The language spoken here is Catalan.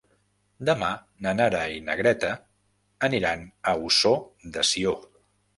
Demà na Nara i na Greta aniran a Ossó de Sió.